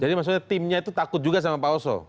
jadi maksudnya timnya itu takut juga sama pak oso